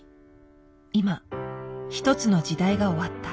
今一つの時代が終わった。